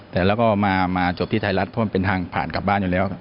แต่เราก็มาจบที่ไทยรัฐเพราะมันเป็นทางผ่านกลับบ้านอยู่แล้ว